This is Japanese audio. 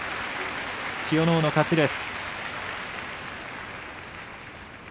千代ノ皇の勝ちです。